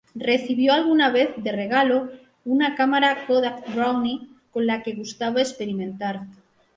Recibió alguna vez de regalo, una cámara Kodak Brownie con la que gustaba experimentar.